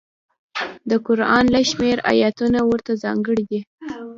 د قران لږ شمېر ایتونه ورته ځانګړي دي.